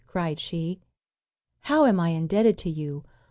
cried she, "how am I indebted to you!